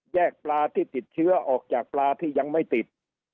ปลาที่ติดเชื้อออกจากปลาที่ยังไม่ติด